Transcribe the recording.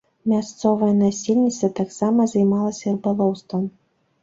Мясцовае насельніцтва таксама займалася рыбалоўствам.